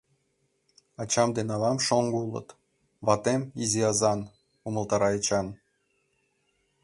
Ачам ден авам шоҥго улыт, ватем изи азан, — умылтара Эчан.